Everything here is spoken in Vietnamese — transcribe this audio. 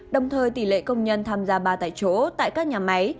đồng thời tỷ lệ công nhân tham gia ba tại chỗ tại các nhà máy